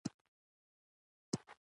د دغه مارش لپاره پوره دوه هفتې کار وشو.